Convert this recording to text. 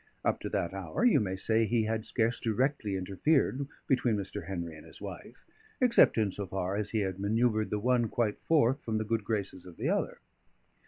Up to that hour, you may say he had scarce directly interfered between Mr. Henry and his wife; except in so far as he had manoeuvred the one quite forth from the good graces of the other.